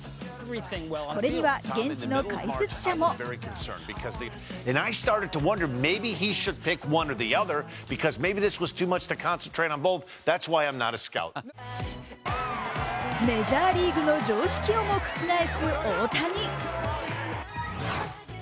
これには現地の解説者もメジャーリーグの常識をも覆す大谷。